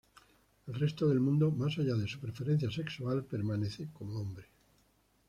El resto del mundo, más allá de su preferencia sexual, permanece como hombre.